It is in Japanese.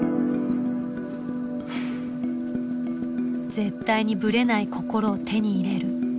絶対にぶれない心を手に入れる。